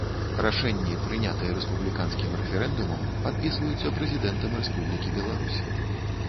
Рашэнні, прынятыя рэспубліканскім рэферэндумам, падпісваюцца Прэзідэнтам Рэспублікі Беларусь.